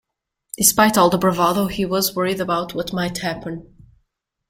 Despite all the bravado he was worried about what might happen.